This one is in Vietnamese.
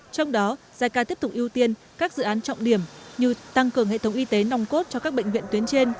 trong đó jica tiếp tục ưu tiên các dự án trọng điểm như tăng cường hệ thống y tế nòng cốt cho các bệnh viện tuyến trên